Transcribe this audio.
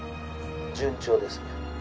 順調です。